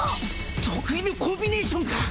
得意のコンビネーションか！